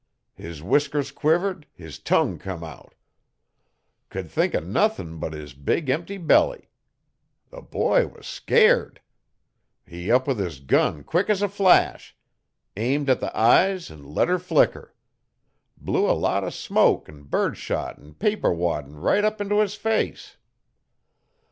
His whiskers quivered, his tongue come out. C'u'd think o' nuthin' but his big empty belly. The boy was scairt. He up with his gun quick es a flash. Aimed at his eyes 'n let 'er flicker. Blew a lot o' smoke 'n bird shot 'n paper waddin' right up in t' his face.